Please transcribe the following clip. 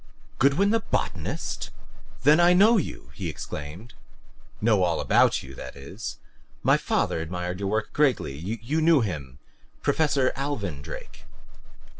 "Goodwin the botanist ? Then I know you!" he exclaimed. "Know all about you, that is. My father admired your work greatly. You knew him Professor Alvin Drake."